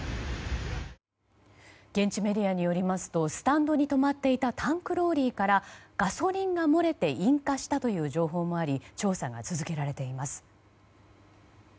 現地メディアによりますとスタンドに止まっていたタンクローリーからガソリンが漏れて引火したという情報もあり調査が続けられています。